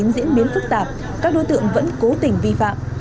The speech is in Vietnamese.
diễn biến phức tạp các đối tượng vẫn cố tình vi phạm